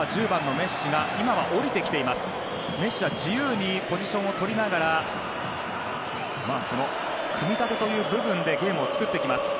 メッシは自由にポジションをとりながら組み立てという部分でゲームを作っていきます。